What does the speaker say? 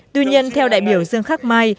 tuy nhiên theo đại biểu dương khắc mai